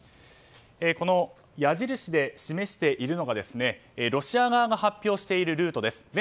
矢印で示しているのがロシア側が発表しているルートです。